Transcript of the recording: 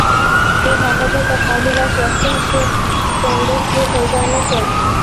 خو هغه بیرته خالي لاس راستون شو، کاګناک یې پیدا نه کړ.